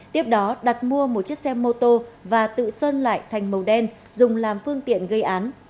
tiếp đó đặt mua một chiếc xe mô tô và tự sơn lại thành màu đen dùng làm phương tiện gây án